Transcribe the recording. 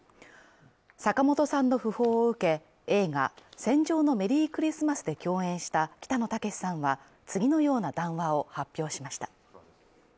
坂本さんの訃報を受け、映画「戦場のメリークリスマス」で共演した北野武さんは、次のような談話を発表しました。